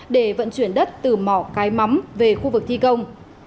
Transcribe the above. để vận chuyển đất từ mỏ cái mắm về khu vực thi công